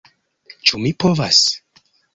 Ĉu mi povas...?